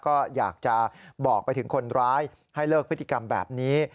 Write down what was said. ก็อยากจะบอกไปถึงคนร้ายให้เลิกพฤติกรรมแบบนี้